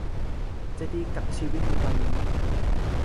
จะดีกับชีวิตในตอนนี้